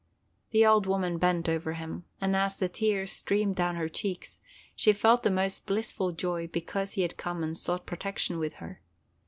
The old woman bent over him, and as the tears streamed down her cheeks, she felt the most blissful joy because he had come and sought protection with her.